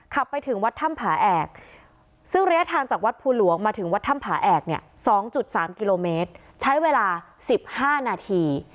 ขับไปถึงวัดธ่ำผาแอกซึ่งระยะทางจากวัดภูหลวงมาถึงวัดธ่ำผาแอกเนี่ยสองจุดสามกิโลเมตรใช้เวลาสิบห้านาที